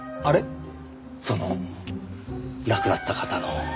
その亡くなった方の。